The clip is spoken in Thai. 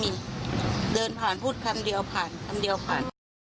ไม่มีเดินผ่านพูดคำเดียวผ่าน